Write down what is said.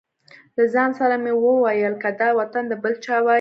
له ځان سره مې وویل که دا وطن د بل چا وای.